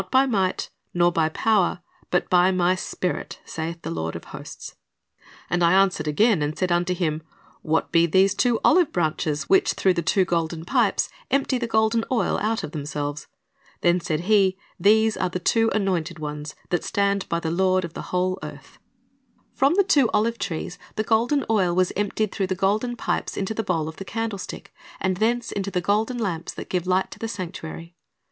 Not by might, nor by power, but b\ My Spirit, saith'the Lord of hosts. ... And I answered again, iPs. 119: 105 • The matchers become weary, and /all asleep.' 408 Christ's Object Lessons and said unto him, What be these two oHve branches which through the two golden pipes empty the golden oil out of themselves ?... Then said he, These are the two anointed ones, that stand by the Lord of the whole earth."' From the two olive trees the golden oil was emptied through the golden pipes into. the bowl of the candlestick, and thence into the golden lamps that gave light to the sanctuary.